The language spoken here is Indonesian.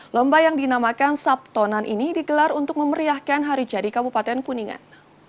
lomba yang dinamakan sabtonan ini digelar untuk memeriahkan hari jadi kabupaten kuningan